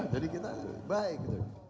jadi kita baik